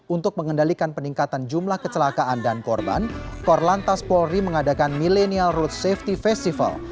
untuk mengendalikan peningkatan jumlah kecelakaan dan korban korlantas polri mengadakan millennial road safety festival